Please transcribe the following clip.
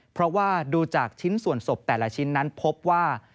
เพราะว่าดูจากชิ้นส่วนศพแต่ละชิ้นนั้นพบว่า